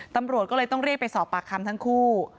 ตำรวจก็เลยต้องเรียกไปสอบปากคำทั้งคู่